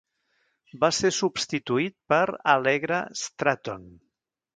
Va ser substituït per Allegra Stratton.